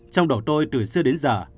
trong đầu tôi từ xưa đến giờ